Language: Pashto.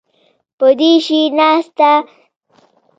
پو دې شي ناستې نه مې منع کولی شي.